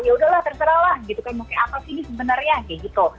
ya udahlah terserahlah gitu kan mungkin apa sih ini sebenarnya kayak gitu